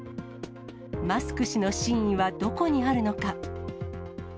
マスク氏の真意はどこにあるのか。